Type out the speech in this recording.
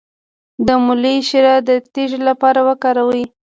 د مولی شیره د تیږې لپاره وکاروئ